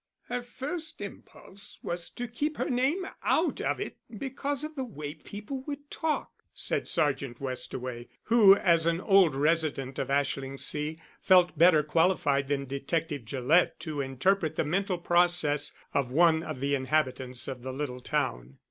"Her first impulse was to keep her name out of it because of the way people would talk," said Sergeant Westaway, who, as an old resident of Ashlingsea, felt better qualified than Detective Gillett to interpret the mental process of one of the inhabitants of the little town.